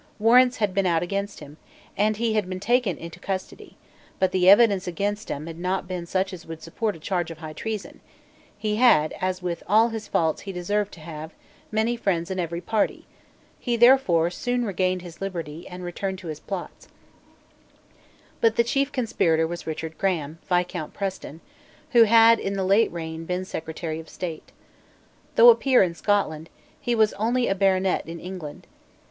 Warrants had been out against him; and he had been taken into custody; but the evidence against him had not been such as would support a charge of high treason: he had, as with all his faults he deserved to have, many friends in every party; he therefore soon regained his liberty, and returned to his plots, But the chief conspirator was Richard Graham, Viscount Preston, who had, in the late reign, been Secretary of State. Though a peer in Scotland, he was only a baronet in England.